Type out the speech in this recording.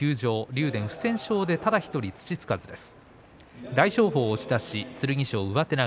竜電不戦勝でただ１人、土つかずです。